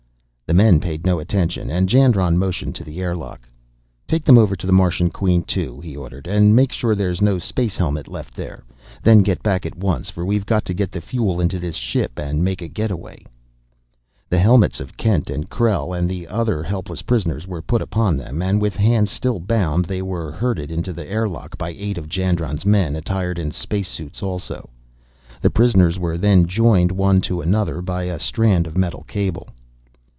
The men paid no attention, and Jandron motioned to the airlock. "Take them over to the Martian Queen too," he ordered, "and make sure there's no space helmet left there. Then get back at once, for we've got to get the fuel into this ship and make a getaway." The helmets of Kent and Krell and the other helpless prisoners were put upon them, and, with hands still bound, they were herded into the airlock by eight of Jandron's men attired in space suits also. The prisoners were then joined one to another by a strand of metal cable.